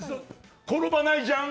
転ばないじゃん。